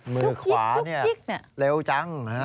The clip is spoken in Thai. มือขวานี่เร็วจัง